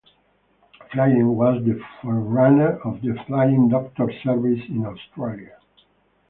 Flynn was the forerunner of the Flying Doctor Service in Australia.